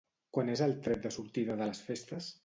Quan és el tret de sortida de les festes?